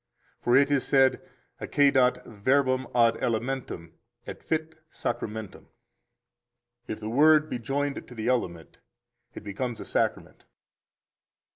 For it is said: Accedat verbum ad elementum, et fit sacramentum. If the Word be joined to the element, it becomes a Sacrament.